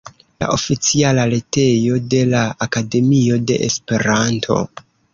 La oficiala retejo de la Akademio de Esperanto.